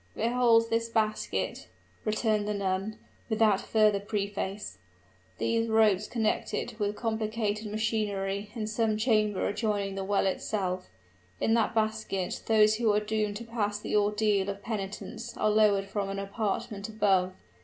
"Behold this basket," returned the nun, without further preface "these ropes connect it with complicated machinery in some chamber adjoining the well itself. In that basket those who are doomed to pass the ordeal of penitence are lowered from an apartment above.